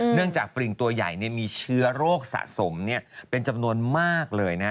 เนื่องจากปริงตัวใหญ่มีเชื้อโรคสะสมเป็นจำนวนมากเลยนะ